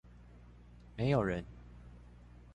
沒有人